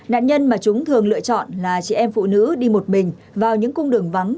nạn nhân mà chúng thường lựa chọn là chị em phụ nữ đi một mình vào những cung đường vắng